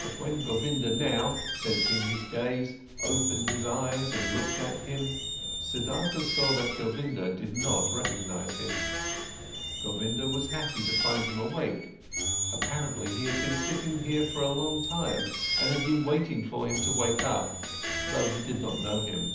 But when Govinda now, sensing his gaze, opened his eyes and looked at him, Siddhartha saw that Govinda did not recognise him. Govinda was happy to find him awake; apparently, he had been sitting here for a long time and been waiting for him to wake up, though he did not know him.